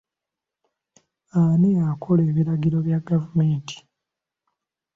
Ani akola ebiragiro bya gavumenti?